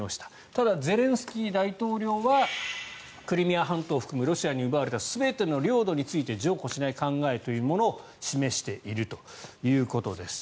ただゼレンスキー大統領はクリミア半島を含むロシアに奪われた全ての領土について譲歩しない考えというものを示しているということです。